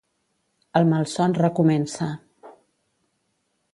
El malson recomença.